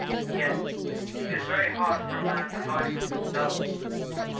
Yes it is very hard for a man to hide from himself.